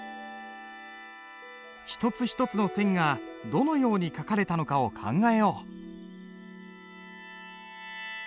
一つ一つの線がどのように書かれたのかを考えよう。